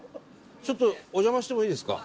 ちょっとお邪魔してもいいですか？